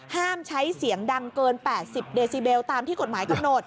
ห้ามใช้เสียงดังเกิน๘๐เดซิเบลตามที่กฎหมายกำหนด